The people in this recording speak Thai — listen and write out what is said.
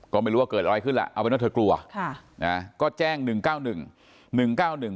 ก็ไม่รู้ว่าเกิดอะไรขึ้นแล้วเอาไว้นั่นเธอกลัวก็แจ้ง๑๙๑